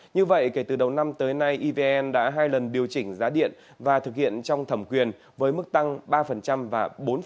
như vậy kể từ đầu năm tới nay evn đã hai lần điều chỉnh giá điện và thực hiện trong thẩm quyền với mức tăng ba và bốn